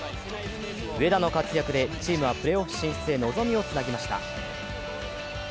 上田の活躍でチームはプレーオフ進出へ望みをつなぎました。